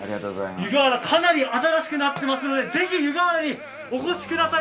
湯河原かなり新しくなっていますのでぜひ、湯河原にお越しください。